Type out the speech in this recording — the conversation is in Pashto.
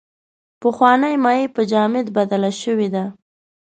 پخوانۍ مایع په جامد بدله شوې ده.